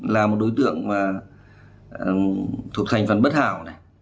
là một đối tượng mà thuộc thành phần bất hảo này